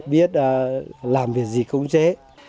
biết làm việc gì cũng dễ